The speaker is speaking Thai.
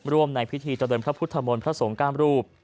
ร่วมในพิธีทะเดินพระพุทธธรรมนต์พระสงฆ์ก้ามรูป